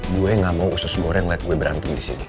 gue gak mau usus goreng liat gue berantem disini